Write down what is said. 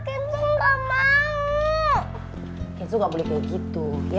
enggak ma kenzo mau ke rumah sakit